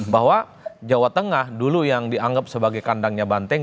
bahwa jawa tengah dulu yang dianggap sebagai kandangnya banteng